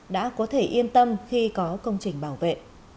đã có thể yên tâm khi có công trình bảo vệ